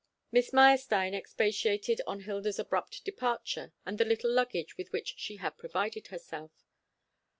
Miss Meyerstein expatiated on Hilda's abrupt departure, and the little luggage with which she had provided herself.